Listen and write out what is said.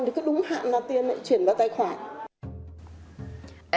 thì cứ đúng hạn là tiền lại chuyển vào tài khoản